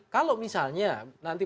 kalau misalnya nanti